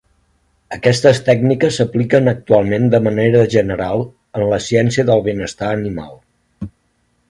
Aquestes tècniques s'apliquen actualment de manera general en la Ciència del benestar animal.